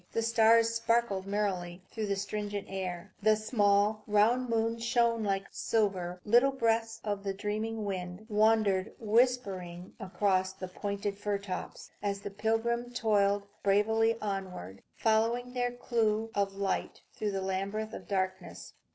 The stars sparkled merrily through the stringent air; the small, round moon shone like silver; little breaths of the dreaming wind wandered whispering across the pointed fir tops, as the pilgrims toiled bravely onward, following their clue of light through a labyrinth of darkness.